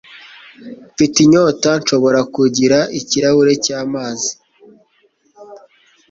Mfite inyota. Nshobora kugira ikirahuri cy'amazi?